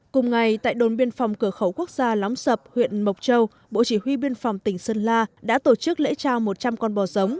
cùng ngày tại đồn biên phòng cửa khẩu quốc gia lóng sập huyện mộc châu bộ chỉ huy biên phòng tỉnh sơn la đã tổ chức lễ trao một trăm linh con bò giống